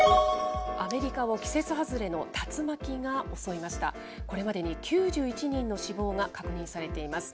アメリカを季節外れの竜巻が襲いました。